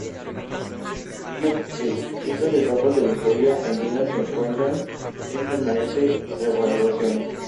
Ello porque estas etapas de la historia andina se encuentran en permanente revaluación.